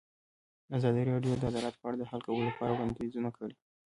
ازادي راډیو د عدالت په اړه د حل کولو لپاره وړاندیزونه کړي.